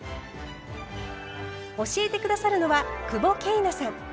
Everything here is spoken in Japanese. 教えて下さるのは久保桂奈さん。